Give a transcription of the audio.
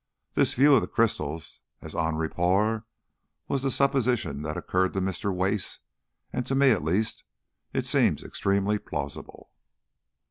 This view of the crystals as en rapport was the supposition that occurred to Mr. Wace, and to me at least it seems extremely plausible....